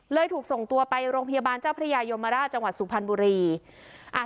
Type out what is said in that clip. ถูกส่งตัวไปโรงพยาบาลเจ้าพระยายมราชจังหวัดสุพรรณบุรีอ่า